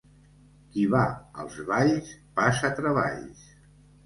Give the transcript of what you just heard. Qui va als balls, passa treballs.